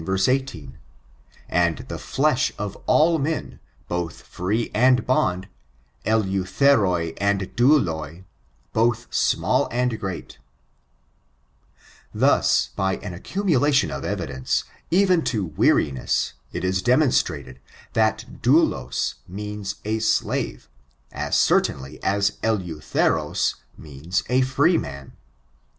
18, " And the flesh of all men, both free and bond, eUiUherci and douloi, both small and great" Thus, by an accumulation of evidence, even to weari ness, it is demonstrated, that daulas means a slave, as certainly as deiUheras means a, freeman.